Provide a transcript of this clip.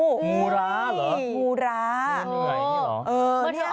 งูร้าเหรองูเหนื่อยหรอ